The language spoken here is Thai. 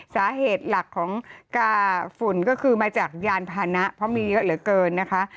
สาเหตุหลักของกาฝุ่นก็คือมาจากยานพานะเพราะมีเยอะเหลือเกินนะคะ